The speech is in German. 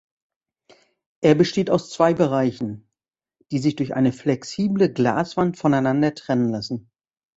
Er besteht aus zwei Bereichen, die sich durch eine flexible Glaswand voneinander trennen lassen.